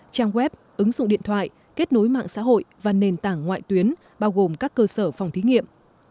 trang web ứng dụng điện thoại kết nối mạng xã hội và nền tảng ngoại tuyến bao gồm các cơ sở phòng thí nghiệm